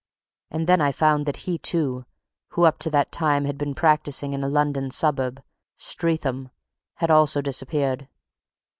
And then I found that he, too, who up to that time had been practising in a London suburb Streatham had also disappeared.